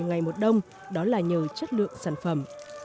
ngày một đông đó là nhờ chất lượng sản phẩm